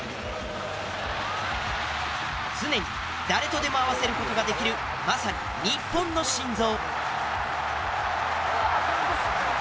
常に誰とでも合わせる事ができるまさに日本の心臓。